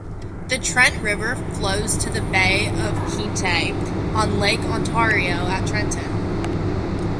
The Trent River flows to the Bay of Quinte on Lake Ontario at Trenton.